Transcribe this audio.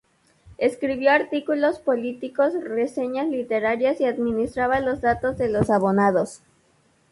Escribió artículos políticos, reseñas literarias y administraba los datos de los abonados.